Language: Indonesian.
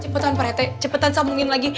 cepetan pak rt cepetan sambungin lagi